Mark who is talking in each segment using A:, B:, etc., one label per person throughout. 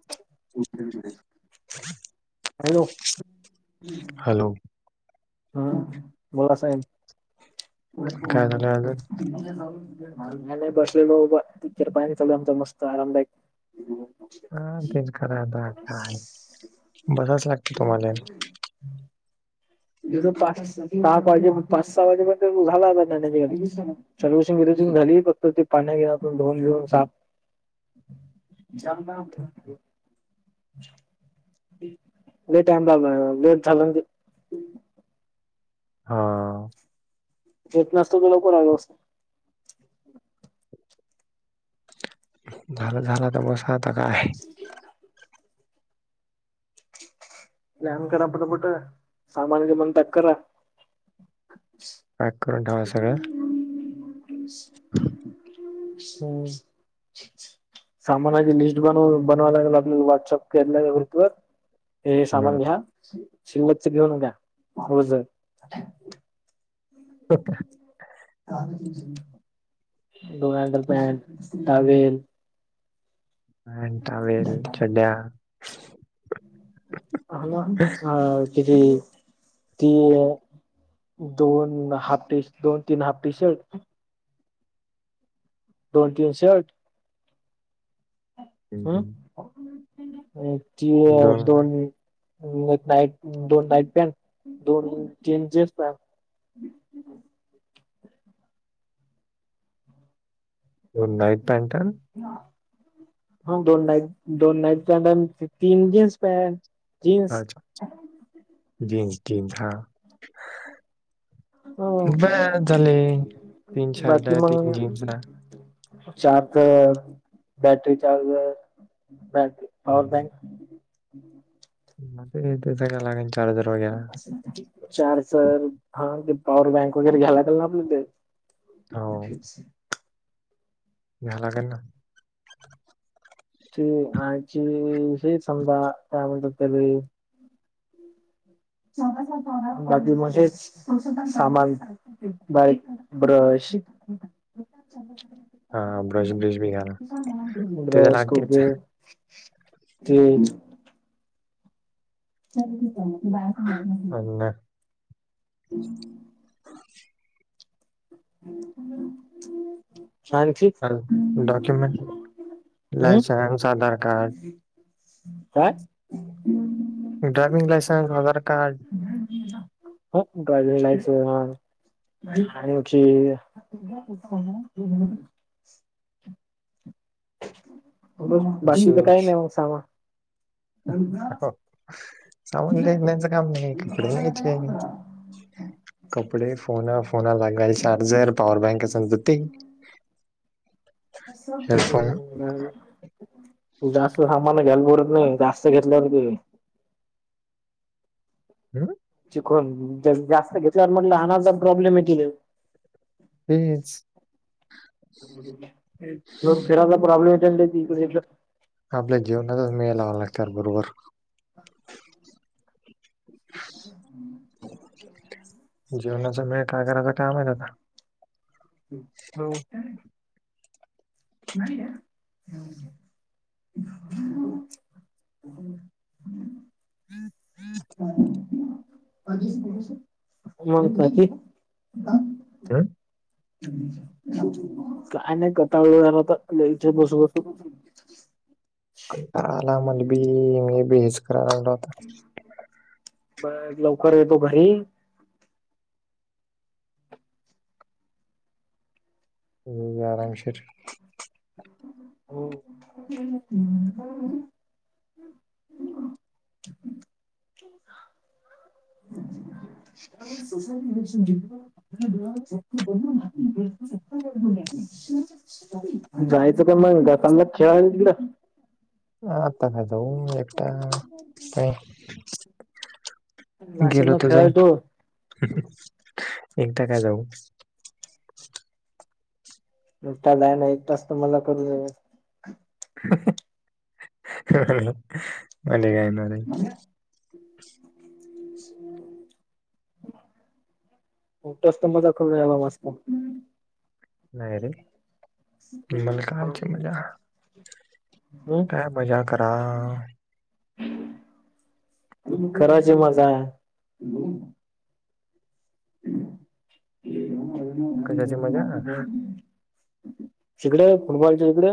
A: [inaudible] Hello
B: hello
A: हा बोला साहेबती
B: काय झालं अजून?
A: ह् नाही बसले तिकेर पाणी च आमचा मस्त आरामदायक
B: हा तेच खराताा काय बसाच लागत तुम्हाला
A: हम ज पाच सहा वाजे पाच सहा वाजेपर्ंत झाला आता जाण्याच्या चारूषंगरज झाली फक्त ते पाण्या घे धोन घिऊन साफ चम बेट आहे बाबा बेट झालं
B: हा
A: येेत नसतो तर लवकरग्यवस्त
B: झालं झाला तर बस आता काय
A: ह जान करा प मोठ सामान ज मन त क
B: पॅक करून ठेवा सगळं
A: होम सामानाची लिस्ट बनव बनवाव लागेल आपल्याला व्हॉट्सअप केला कृतीू ववर सामान
B: हं,
A: घ्या शिलवतच घेऊ नका रोज
B: होत
A: डोनाल्ड पॅ टवेल
B: अ टवेल चड्या
A: ह हा किती ती दोन हाफ टी दोन तीन हाफ टी शर्ट दोन तीन शर्ट
B: हं,
A: हम्
B: हं,
A: तची दोन नाईट दोन नाईट पॅन्ट दोन चेंस पॅ ह
B: नाईट पॅनट
A: ह दोन नाईट दोन नाईट पॅनट तीन जीन्स पॅनट
B: अच्छाच्छ जिन्स जिन्स हा
A: ह
B: ब झाले तीन शर्ट आहे तीन जीन्स आहे
A: charge battery charge bat power bank
B: म ते सग्या लाग चार्जर वगैर
A: चार् सर हा ते पॉवर बँक वगैरे घ्याला का ना आपलं ते
B: हो [unintelligible]
A: ते आची हे समजा काय म्हणतात त्यारी म्ह सामान बाई ब्रश
B: हां, ब्रश-ब्रिश बी घ्या ना. ते तर लागतेच.
A: [unintelligible] हम
B: अन्
A: [unintelligible] आणखी?
B: डॉक्युमेंट,
A: हम्म
B: लासेन्स, आधार कार्ड
A: ह
B: ड्राविंग लायसेन्स, आधार कार्ड
A: हा ड्रायविंग ला ह आणिची, [unintelligible] बाकीच काही नाही मग सामा.
B: सामनण्याचं काम नाही कपडे नाहीयचे. कपडे फोन फोना लागाल चार्जर, पॉवर बँक असत ते. हेडफोन
A: हो तू जास्त सामान घ्यायला परत नाही जास्त घेतल्यावरी
B: हम
A: चिकून जास्त घेतल्यावर म्हट लहनाचा प्रॉब्लेम येतील.
B: तेच.
A: [unintelligible] फिराचा प्रॉब्लेमं.
B: आपल्या जीवनातच मे लावा लागत बरोबर
A: हम्म
B: जेवणाच मेळ काय करायच का माह होता.
A: हो [unintelligible]
B: हम् हम् [unintelligible]
A: हो [unintelligible]
B: हं [unintelligible]
A: काय नाही कटव वर लच बसू बसू.
B: [unintelligible]
A: म लवकर येतो घरी.
B: हो्यााररामशे.
A: हो [unintelligible] स [unintelligible] ब [unintelligible] जायचं का मग सजात खेळा तुला
B: ह आता खय जाऊ एक काय. गेलोतो
A: नाशिकला
B: तर जाईन
A: खेळायचो
B: एकटा का जाउ.
A: त्याला आहे ना एक तासत मला करून.
B: मले कायणार [unintelligible]
A: ह् [unintelligible] मोठा स्तंभ दाखवला मस्त.
B: नाही रे मला कायची मजा [unintelligible] काय मजा करा.
A: [unintelligible] करायची मजा. [unintelligible] [unintelligible]
B: कशाची मजा?
A: तिकडे फुटबॉलच्या इिकडे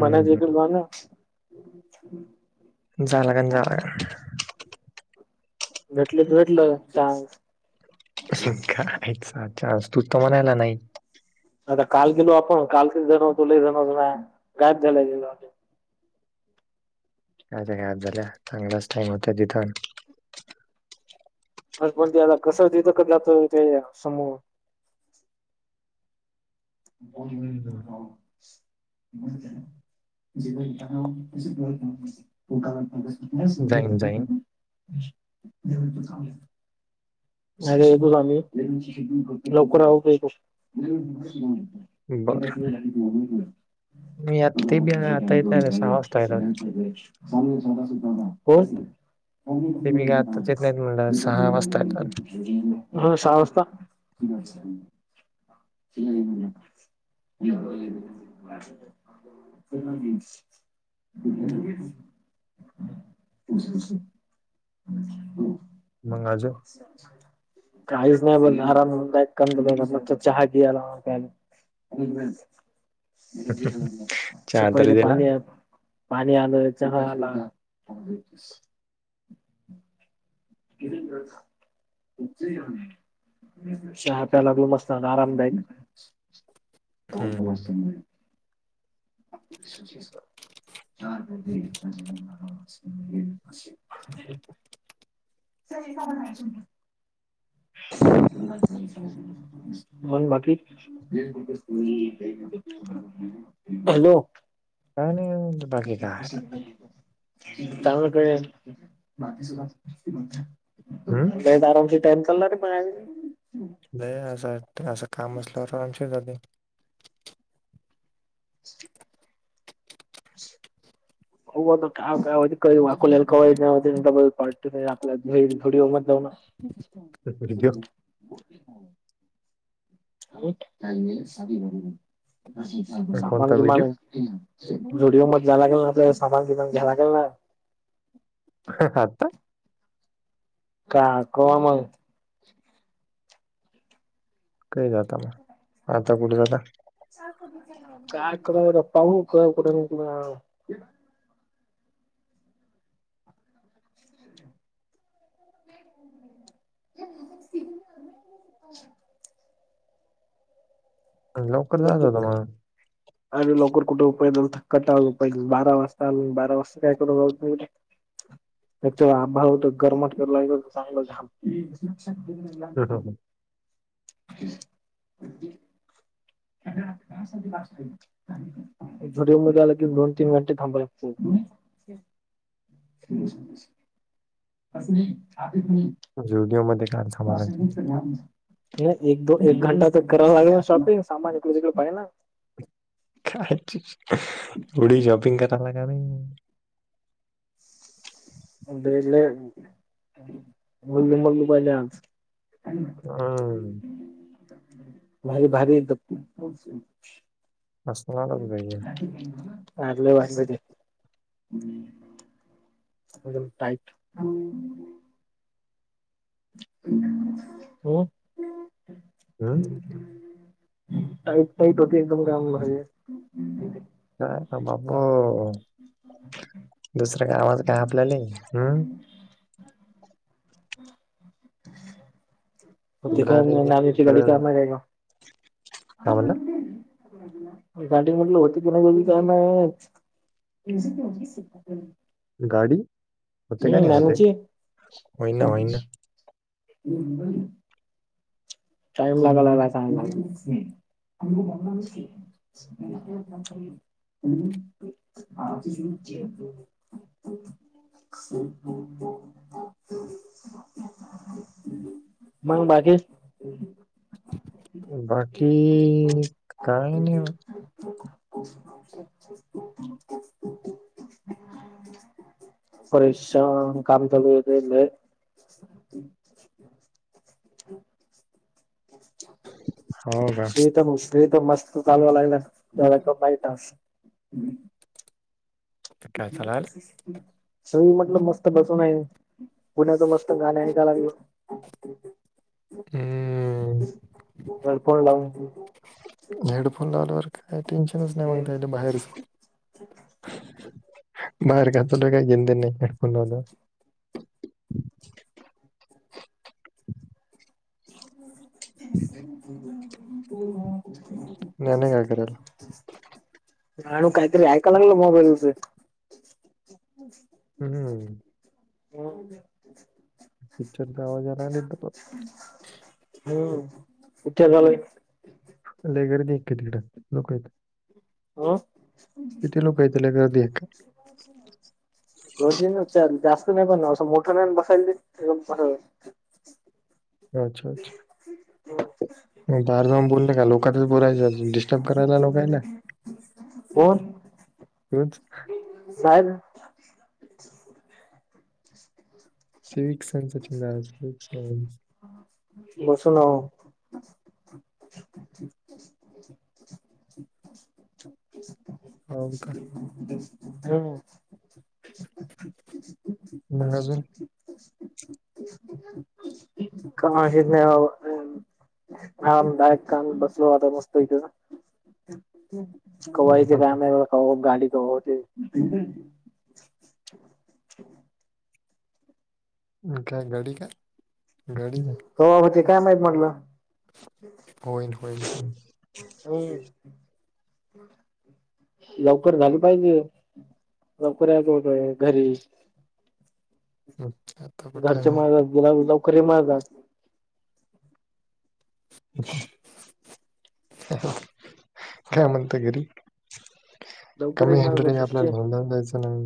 A: मला ज करवा ना.
B: जालागन जालागन
A: भेटले तर भेटलं च.
B: अच्छ अच्छा तू तर म्हणायला नाही.
A: आता काल गेलो आपण काल क जणवतुलाही जणवतो ना गाब झालेय गेलो.
B: का का हात झाल्या चांगलाच टाइम होत तिथून
A: पण ते आता कसं तथक जातो ते समोह. बोल मि
B: हम्म.
A: [unintelligible] तू
B: जाईन जाईन.
A: चांग अेतो आम्ही लवकर आहोत तो
B: बरं
A: अल्का सनाला
B: मी आता ते बी
A: सां
B: आता येत नाही रे, सहा
A: स
B: वाजता येतात.
A: सुद्ध हो [inaudible] [inaudible]
B: ते बी काय आत्ताच येत नाहीत म्हणलं सहा वाजता येतात.
A: ह सहा वाजता. ह [inaudible] [inaudible] हो.
B: मंग अजून
A: काहीच नाही बला आरामदाक क चहा कला [inaudible]
B: चहा तरी
A: पहिले
B: दिला.
A: पाणी पाणी आल, चहा आला. गिरेंद्रज चहा प्या लागल मस्त आरामदायक
B: हम्म.
A: [unintelligible] च [inaudible] याार ब हत [inaudible] स का बच [inaudible] पण बाकीकी [inaudible] बिुल का? हॅलो.
B: काय नाही बाकी काय.
A: तांळकडे
B: हम्म.
A: लईच आरामशीर टाईम चालणार रे म
B: नाही असं वा असं काम असल्यावर आमशी जे
A: [unintelligible] अस. हो कायकलकल प्ट आपल्याोडी जाव ना.
B: व्हिडिओ
A: [inaudible] लमे स [inaudible] सामान
B: कोणता
A: किमान
B: व्हिडिओ?
A: आहे झोडिओ मध्ये जा्या लागेल ना आपल्याला सामान किमान घ्याय लागेल ना.
B: ह हाता.
A: काक मग
B: काही जाता मग आता कुठे जाता?
A: काय क पाह क कठ तु [unintelligible]
B: लवकर जात होता
A: बबक आणि लवकर कुठे थक्का टा पाहिजे बारा वाजता आ बारा वाजता काय कर. त्याच्या आभव गरमात चांगलं झा लक्षात दे लाग.
B: मग
A: असा दिला असतो मी. झुडिओ मध्ये आला की दोन, तीन घंटे थांबाव लागते. स नाही आी प [inaudible]
B: झुडीओ मध्ये का?
A: एक दो, एक घंटा ते करवा लागेल ना शॉपिंग सामान इकड तिकडे पडेल ना
B: कायतरच पुढे शॉपिंग करायला का नाही.
A: ड्रेस घे मुल्लू मल्लू पहिले आ
B: हम्म
A: भारी भारी एकदम
B: असणारच पाहिजे
A: झालं वाटते. एकदम टाईट हो.
B: हम्म?
A: काल नााईट होती एकदम माझी.
B: काय थांबा. हो. दुसरा का आवाज काय आपल्याला हम्.
A: हो
B: कुत्रा रे
A: तची
B: कुठं
A: गाडी का म ना.
B: काय म्हणलं
A: [inaudible] गाडीमध्ये होती की नाही.
B: गाडी होते का नाही होते
A: ज्ञानची
B: होयना होयनना.
A: हम् टाईम लागलालाय चांगला. [unintelligible] ह [unintelligible] मग बाकी.
B: बाकी काही नाही बग.
A: [unintelligible] परेशान काम चालू होता रें लई. [inaudible]
B: हो का
A: ते तर मस्त चालवा लागला की नाही,
B: काय चालाल
A: [inaudible] सगळी म्हटलं मस्त बसून आहे. पुण्याचं मस्त गाण ऐकलगलोय.
B: हम्म
A: हेड फोन लावून.
B: हेडफोन लावल्यावर काय टेन्शनच नाही, मग त्या बाहेरच. बाहेर काय चालायल काय देणं घेणं नाही हेड फोन लावल्यावर.
A: [unintelligible]
B: ज्ञाने काय करायला
A: आणि काहीतरी ऐकायला लागलो मोबाईलमधे.
B: हम् हम.
A: हो
B: पिक्चरचा आवाज यायला लागलाय की पण
A: हम् पिक्चर लावलय.
B: लई गर्दी आह की तिकडं लोकं येत.
A: हो.
B: लोक आहेत लय गर्दी आहे का
A: गर्दी जास्त नाही, असं पण असं मोठं नाही बसायला.
B: अच्छा अच्छा
A: हो.
B: मग बाहेर जाऊन बोलले का लोकांच बोलायचं डिस्टर्ब करायला आलोय का?
A: कोण
B: रोज
A: बाहेर ह
B: स्ट सनसच स् सन्स [unintelligible]
A: बसू ना ओ.
B: हो का.
A: हो.
B: नाही आजून.
A: का हि नाही बाबा, आमदायक काम बसलो, आता मस्त इथं. कवा
B: हम्म,
A: येते काय
B: हम्म,
A: माहित. कवा गाडी कवा येते.
B: काय गाडी काय, गाडी [unintelligible]
A: हो, ते काय माहीत म्हटलं.
B: होईन होईल हो.
A: [unintelligible] लवकर झालं पाहिजे, लवकर यायचं होतोय घरी.
B: अं..
A: घरचे [unintelligible]
B: [unintelligible] घरी
A: लवकर ये
B: कमी [unintelligible] आपल्याला
A: माळगात
B: [unintelligible] द्यायचं नाही.